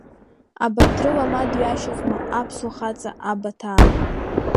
Абарҭ рыла ма дҩашьозма аԥсуа хаҵа Абаҭаа!